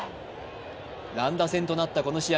乱打戦となったこの試合